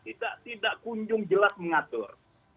kita tidak kunjung jelas mengatur